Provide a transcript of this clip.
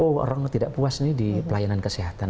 oh orang tidak puas ini di pelayanan kesehatan